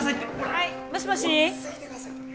はいもしもし？